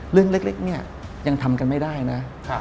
เรื่องเล็กเนี่ยยังทำกันไม่ได้นะ